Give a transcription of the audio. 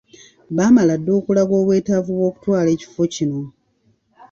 Baamala dda okulaga obwetaavu bw’okutwala ekifo kino.